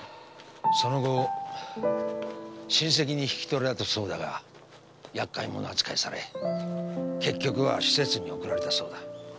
その後親戚に引き取られたそうだが厄介者扱いされ結局は施設に送られたそうだ。